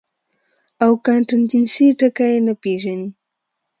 او کانټنجنسي ټکے نۀ پېژني -